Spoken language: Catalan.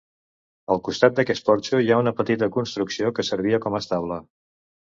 Al costat d'aquest porxo hi ha una petita construcció, que servia com a estable.